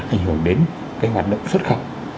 ảnh hưởng đến cái hoạt động xuất khẩu